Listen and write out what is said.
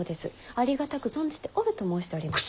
ありがたく存じておると申しておりました。